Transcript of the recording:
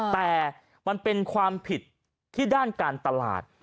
แต่มันเป็นความผิดที่ด้านการตลาด